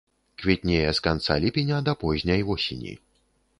Квітнее з канца ліпеня да позняй восені.